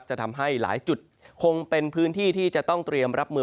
จะทำให้หลายจุดคงเป็นพื้นที่ที่จะต้องเตรียมรับมือ